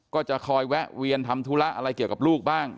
ก็จะคอยแวะเวียนทำธุระอะไรเกี่ยวกับลูกบ้าง